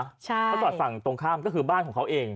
เขาจอดฝั่งตรงข้ามก็คือบ้านของเขาเอง